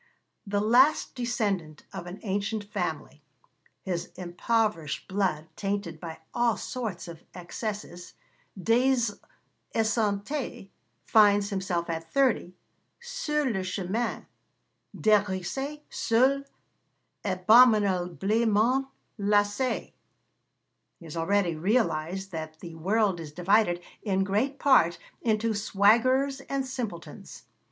The last descendant of an ancient family, his impoverished blood tainted by all sorts of excesses, Des Esseintes finds himself at thirty sur le chemin, dégrisé, seul, abominablement lassé. He has already realised that 'the world is divided, in great part, into swaggerers and simpletons.'